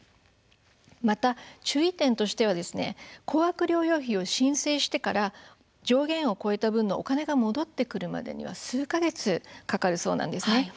また注意点としては高額療養費を申請してから上限を超えた分のお金が戻ってくるまでには数か月かかるそうなんです。